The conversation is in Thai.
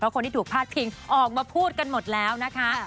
คนที่ถูกพาดพิงออกมาพูดกันหมดแล้วนะคะ